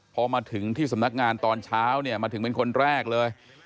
พอมาถึงที่สำนักงานตอนเช้าเนี่ยมาถึงเป็นคนแรกเลย